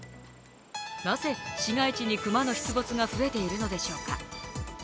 なぜ市街地に熊の出没が増えているのでしょうか。